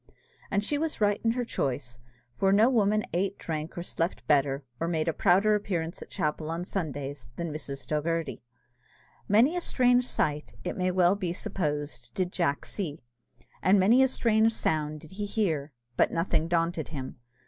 And she was right in her choice; for no woman ate, drank, or slept better, or made a prouder appearance at chapel on Sundays, than Mrs. Dogherty. Many a strange sight, it may well be supposed, did Jack see, and many a strange sound did he hear, but nothing daunted him.